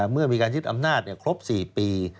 เมื่อมีการยึดอำนาจครบ๔ปี